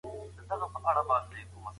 هغوی د خلکو د پيغورونو سره مخ وي.